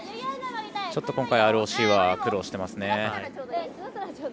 ちょっと今回、ＲＯＣは苦労してますね。